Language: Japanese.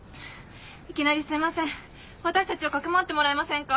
いきなりすいません私たちを匿ってもらえませんか？